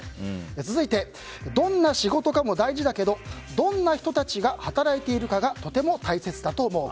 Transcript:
続いて、どんな仕事かも大事だけどどんな人たちが働いているかがとても大切だと思う。